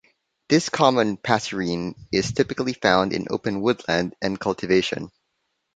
This common passerine is typically found in open woodland and cultivation.